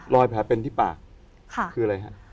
รอยแผลเป็นที่ปากคืออะไรฮะ